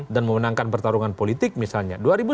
dan memenangkan pertarungan politik misalnya